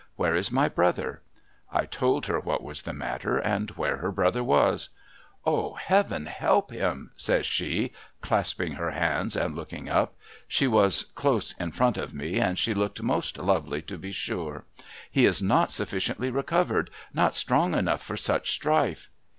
Where is my brother ?' I told her what was the matter, and where her brother was. 'O Heaven help him !' says she, clas])ing her hands and looking up — she was close in front of me, and she looked most lovely to be sure ;' he is not sufficiently recovered, not strong enough for such strife